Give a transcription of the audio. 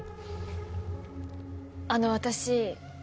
あの私。